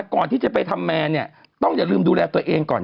ก่อนที่จะไปทำแมนเนี่ยต้องอย่าลืมดูแลตัวเองก่อน